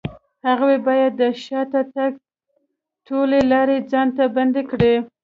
هغوی بايد د شاته تګ ټولې لارې ځان ته بندې کړي.